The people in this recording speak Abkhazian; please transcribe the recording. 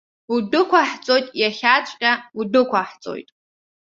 Удәықәаҳҵоит, иахьаҵәҟьа удәықәаҳҵоит!